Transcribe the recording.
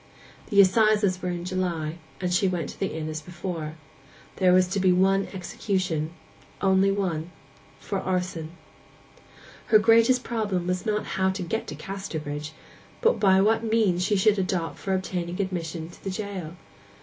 The assizes were in July, and she went to the inn as before. There was to be one execution—only one—for arson. Her greatest problem was not how to get to Casterbridge, but what means she should adopt for obtaining admission to the jail.